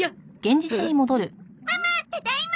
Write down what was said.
ママただいま！